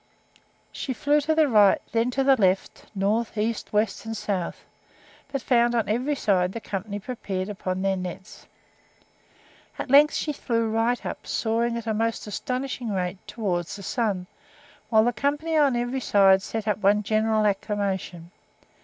She flew to the right, then to the left, north, east, west, and south, but found on every side the company prepared upon their nets. At length she flew right up, soaring at a most astonishing rate towards the sun, while the company on every side set up one general acclamation.